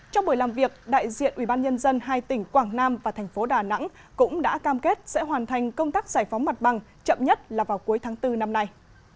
trong buổi làm việc đại diện ubnd hai tỉnh quảng nam và thành phố đà nẵng cũng đã cam kết sẽ hoàn thành công tác giải phóng mặt bằng chậm nhất là vào cuối tháng bốn năm nay